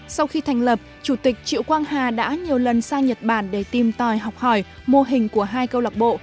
sau khi thành lập chủ tịch triệu quang hà đã nhiều lần sang nhật bản để tìm tòi học hỏi mô hình của hai câu lạc bộ